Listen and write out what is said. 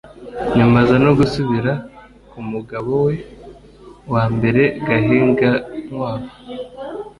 nyuma aza no gusubira ku mugabowe wa mbere (Gahigankwavu)